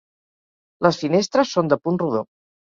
Les finestres són de punt rodó.